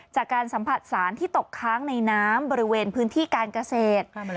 จากการสัมผัสสารที่ตกค้างในน้ำบริเวณพื้นที่การเกษตร